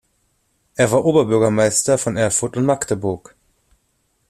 Er war Oberbürgermeister von Erfurt und Magdeburg.